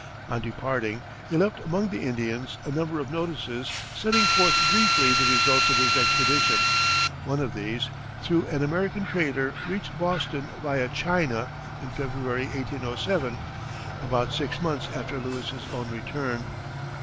On departing, he left among the Indians a number of notices setting forth briefly the results of his expedition; one of these, through an American trader, reached Boston via China in February, 1807, about six months after Lewis's own return.